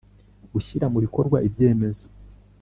Gushyira mu bikorwa ibyemezo